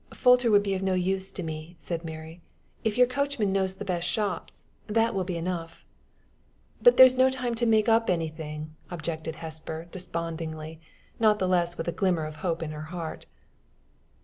"Folter would be of no use to me," said Mary. "If your coachman knows the best shops, that will be enough." "But there's no time to make up anything," objected Hesper, despondingly, not the less with a glimmer of hope in her heart.